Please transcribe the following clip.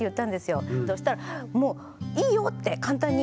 そしたらもう「いいよ」って簡単に。